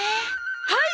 はい！